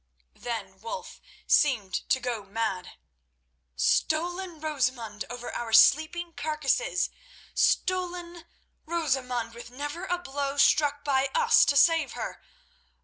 Then Wulf seemed to go mad. "Stolen Rosamund over our sleeping carcases! Stolen Rosamund with never a blow struck by us to save her!